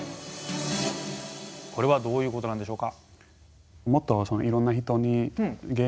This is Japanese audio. これはどういうことなんでしょうか？